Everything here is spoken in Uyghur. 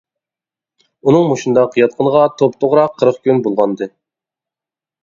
ئۇنىڭ مۇشۇنداق ياتقىنىغا توپتوغرا قىرىق كۈن بولغانىدى.